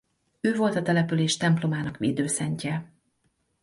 Ő volt a település templomának védőszentje.